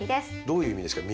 どういう意味ですか？